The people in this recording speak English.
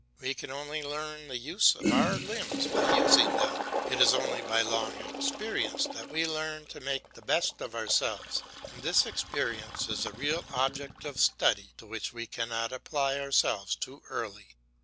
We can only learn the use of our limbs by using them. It is only by long experience that we learn to make the best of ourselves, and this experience is the real object of study to which we cannot apply ourselves too early.